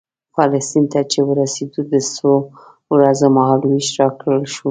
فلسطین ته چې ورسېدو د څو ورځو مهال وېش راکړل شو.